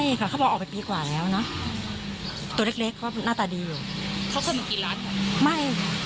ไม่ค่ะเขาบอกออกไปปีกว่าแล้วนะตัวเล็กเขาหน้าตาดีอยู่